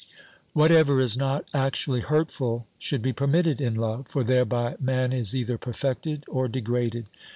Whatever is not actually hurtful should be permitted in love, for thereby man is either perfected or degraded.